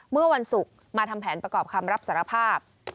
เมื่อวันศุกร์มาทำแผนประกอบคำรับสารภาพ